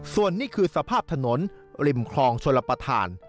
ส่วนนี้คือสภาพถนนริมคลองชลประธาน